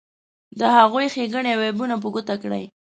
د هغو ښیګڼې او عیبونه په ګوته کړئ.